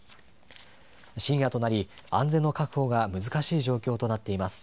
深夜となり安全の確保が難しい状況となっています。